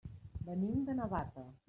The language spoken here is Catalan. Venim de Navata.